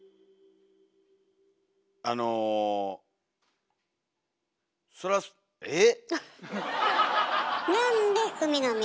あのそらええ？